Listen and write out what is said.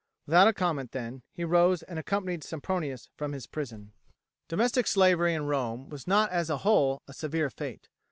Without a comment, then, he rose and accompanied Sempronius from his prison. Domestic slavery in Rome was not as a whole a severe fate.